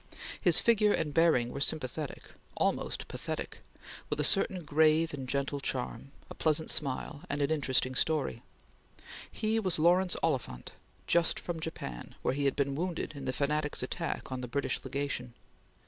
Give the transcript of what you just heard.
His figure and bearing were sympathetic almost pathetic with a certain grave and gentle charm, a pleasant smile, and an interesting story. He was Lawrence Oliphant, just from Japan, where he had been wounded in the fanatics' attack on the British Legation.